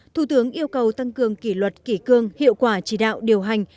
thủ tướng yêu cầu tăng cường kỷ luật kỷ cương hiệu quả chỉ đạo điều hành